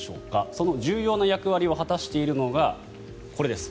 その重要な役割を果たしているのが、これです。